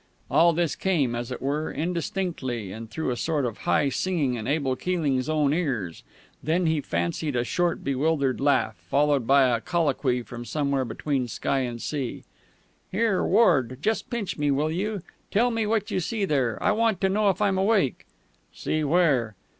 "_ All this came, as it were, indistinctly, and through a sort of high singing in Abel Keeling's own ears. Then he fancied a short bewildered laugh, followed by a colloquy from somewhere between sea and sky. "Here, Ward, just pinch me, will you? Tell me what you see there. I want to know if I'm awake." "See where?"